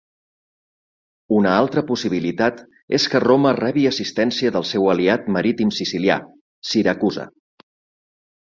Una altra possibilitat és que Roma rebi assistència del seu aliat marítim sicilià, Siracusa.